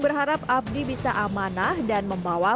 berharap abdi bisa amanah dan membawa